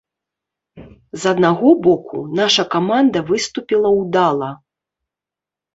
З аднаго боку, наша каманда выступіла ўдала.